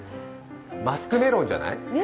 マスクメロンじゃない？